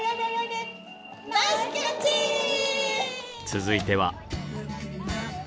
続いては。